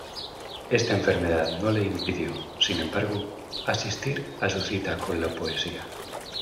Esta enfermedad no le impidió, sin embargo, asistir a su cita con la poesía.